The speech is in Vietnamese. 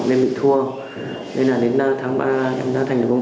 nên là đến tháng ba em đã thành lập công ty để làm bình phong